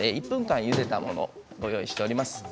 １分間ゆでたものをご用意しています。